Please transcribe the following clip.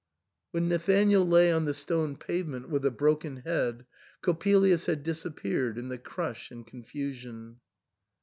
When Nathanael lay on the stone pavement with a broken head, Coppelius had disappeared in the crush and confusion.